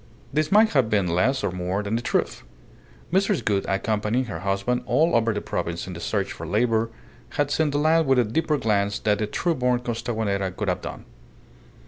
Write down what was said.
This might have been less or more than the truth. Mrs. Gould, accompanying her husband all over the province in the search for labour, had seen the land with a deeper glance than a trueborn Costaguanera could have done.